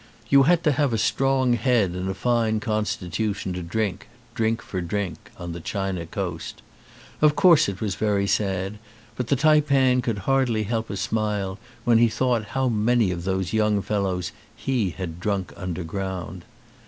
You had to have a strong head and a fine constitution to drink drink for drink on the China coast. Of course it was very sad, but the taipan could hardly help a smile when he thought how many of those young fellows he had drunk underground.